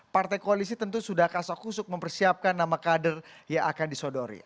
partai koalisi tentu sudah kasak kusuk mempersiapkan nama kader yang akan disodori